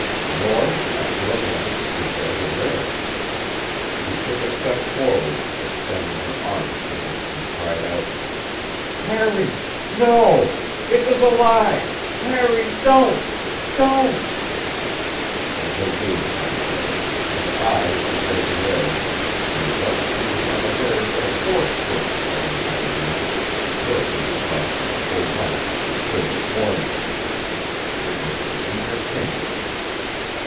Nor, after a moment, could Desiree. She took a step forward, extending her arms to him and cried out: "Harry! No! It was a lie, Harry! Don't don't!" And they gazed at each other, and I at Desiree, and thus we were unaware that a fourth person had entered the room, until he had crossed its full length and stood before me. It was the Inca king.